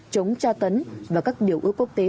chống tra tấn và các điều ước quốc tế